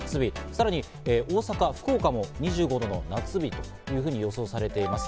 さらに大阪、福岡も２５度の夏日と予想されています。